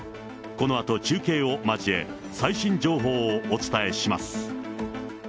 このあと中継を交え、最新情報をお伝えします。